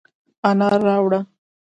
انار راوړه،